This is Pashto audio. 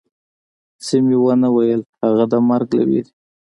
څه مې و نه ویل، هغه د مرګ له وېرې.